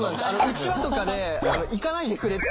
うちわとかで「行かないでくれ」っていうのが。